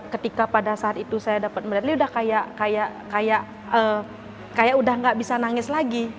ketika pada saat itu saya dapat medali udah kayak kayak udah gak bisa nangis lagi